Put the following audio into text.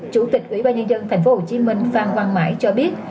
chủ tịch ủy ban nhân dân tp hcm phan quang mãi cho biết